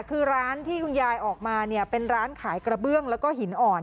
คือร้านที่คุณยายออกมาเนี่ยเป็นร้านขายกระเบื้องแล้วก็หินอ่อน